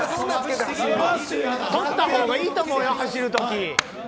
取った方がいいと思うよ走るとき。